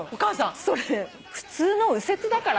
それ普通の右折だから。